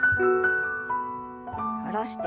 下ろして。